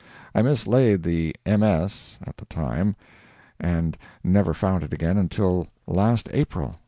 I mislaid the MS. at the time, and never found it again until last April.